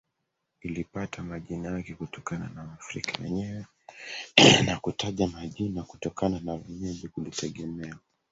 ilipata majina yake kutokana na Waafrika wenyewe Na kutaja majina kutokana na wenyeji kulitegemea